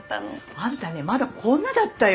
あんたねまだこんなだったよ。